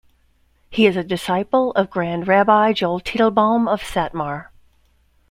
He is a disciple of Grand Rabbi Joel Teitelbaum of Satmar.